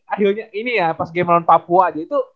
akhirnya ini ya pas game melawan papua aja itu